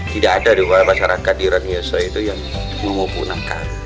tidak ada di masyarakat di rangkau yoso itu yang mengupu nangka